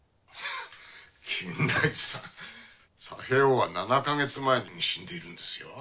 金田一さん佐兵衛翁は７か月前に死んでいるんですよ。